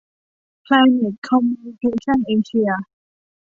แพลนเน็ต คอมมิวนิเคชั่น เอเชีย